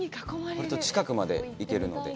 割と近くまで行けるので。